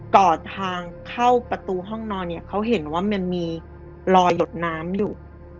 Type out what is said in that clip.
อดทางเข้าประตูห้องนอนเนี่ยเขาเห็นว่ามันมีรอยหลดน้ำอยู่